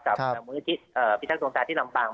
กับมือพิทักษ์โรงศาสตร์ที่ลำบัง